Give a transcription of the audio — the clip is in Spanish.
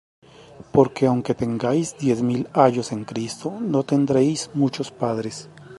Porque aunque tengáis diez mil ayos en Cristo, no tendréis muchos padres;